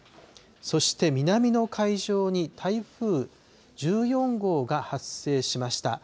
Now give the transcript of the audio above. そして南の海上に台風１４号が発生しました。